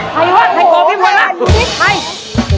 หลายเก้าทีมวลแล้ว